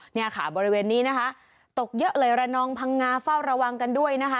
เนี่ยค่ะบริเวณนี้นะคะตกเยอะเลยระนองพังงาเฝ้าระวังกันด้วยนะคะ